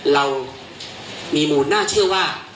เรามีมูลน่าเชื่อว่า